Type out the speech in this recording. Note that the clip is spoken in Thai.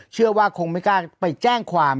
เชื่อว่าคงไม่กล้าไปแจ้งความ